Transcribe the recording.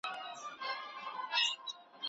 ایا د تلویزیون غږ د هغې غوږونه خوږوي؟